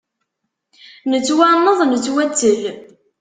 Nettwanneḍ nettwattel.